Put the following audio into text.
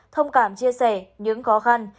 thông cảm chia sẻ những khó khăn